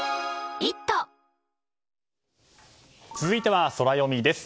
続いてはソラよみです。